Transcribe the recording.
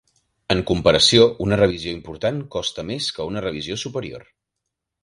En comparació, una revisió important costa més que una revisió superior.